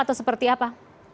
atau seperti apa